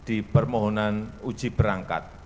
di permohonan uji perangkat